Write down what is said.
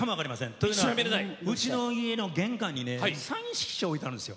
というのは、うちの家の玄関にサイン色紙を置いてあるんです。